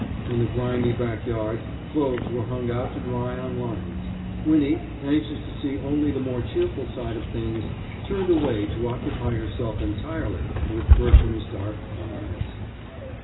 In the grimy backyards clothes were hung out to dry on lines. Winnie, anxious to see only the more cheerful side of things, turned away to occupy herself entirely with Bertram's dark comeliness.